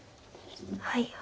はい。